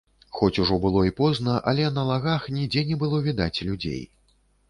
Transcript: Хоць ужо было і позна, але на лагах нідзе не было відаць людзей.